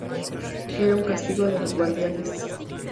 Era un castigo de los guardianes.